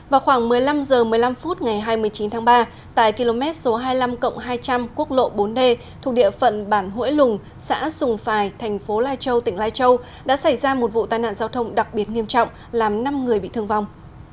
vào khoảng một mươi năm h một mươi năm phút ngày hai mươi chín tháng ba tại km số hai mươi năm hai trăm linh quốc lộ bốn d thuộc địa phận bản hội lùng xã sùng phài thành phố lai châu tỉnh lai châu đã xảy ra một vụ tai nạn giao thông đặc biệt nghiêm trọng làm năm người bị thương vong